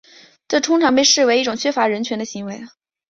这通常被视为是一种缺乏人权的作为。